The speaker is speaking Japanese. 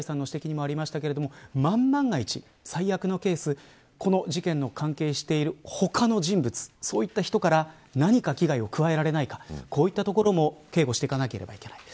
万が一、最悪のケースこの事件に関係している他の人物他のそういった人から何か危害を加えられないかこういったところを警護していかなければいけない。